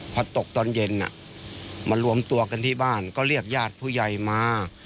พอตกตอนเย็นมารวมตัวกันที่บ้านก็เรียกญาติผู้ใหญ่มา